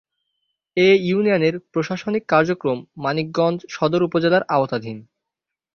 এ ইউনিয়নের প্রশাসনিক কার্যক্রম মানিকগঞ্জ সদর উপজেলার আওতাধীন।